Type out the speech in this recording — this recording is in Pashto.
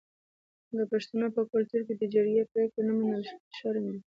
د پښتنو په کلتور کې د جرګې پریکړه نه منل شرم دی.